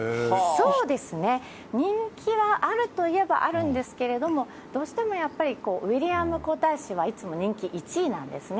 人気はあるといえばあるんですけれども、どうしてもやっぱり、ウィリアム皇太子はいつも人気１位なんですね。